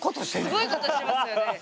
すごいことしてますよね。